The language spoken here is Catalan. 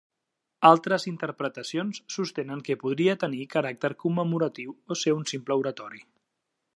Altres interpretacions sostenen que podria tenir caràcter commemoratiu o ser un simple oratori.